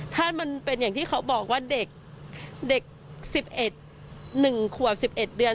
ถ้ามันเป็นอย่างที่เขาบอกว่าเด็ก๑๑ขวบ๑๑เดือน